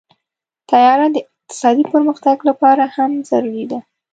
طیاره د اقتصادي پرمختګ لپاره هم ضروري ده.